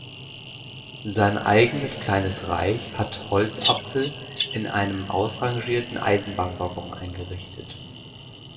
Sein eigenes kleines Reich hat Holzapfel in einem ausrangierten Eisenbahnwaggon eingerichtet.